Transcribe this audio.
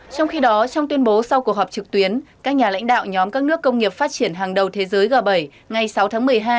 trong khi đó trong tuyên bố sau cuộc họp trực tuyến các nhà lãnh đạo nhóm các nước công nghiệp phát triển hàng đầu thế giới g bảy ngày sáu tháng một mươi hai